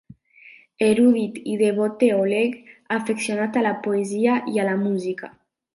Erudit i devot teòleg, afeccionat a la poesia i a la música.